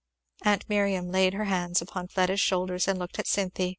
Aunt Miriam laid her hands upon Fleda's shoulders and looked at Cynthy.